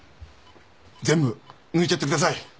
全部抜いちゃってください。